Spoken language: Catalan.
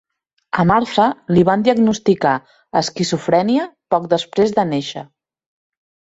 A Martha li van diagnosticar esquizofrènia poc després de néixer.